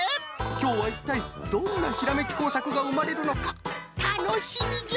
きょうはいったいどんなひらめきこうさくがうまれるのかたのしみじゃ！